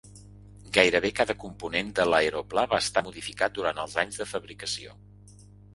Gairebé cada component de l'aeroplà va estar modificat durant els anys de fabricació.